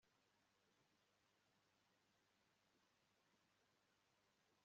manzi yegereye hasi hasi, ashakisha ibiceri bya zahabu